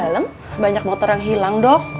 dalam banyak motor yang hilang dok